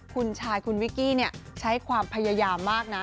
คุณชายคุณวิกกี้ใช้ความพยายามมากนะ